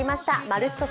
「まるっと！